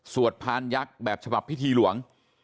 พานยักษ์แบบฉบับพิธีหลวง